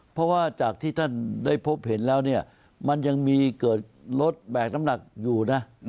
เพราะว่าจากที่ท่านได้พบเห็นแล้วเนี่ยมันยังมีเกิดรถแบกน้ำหนักอยู่นะ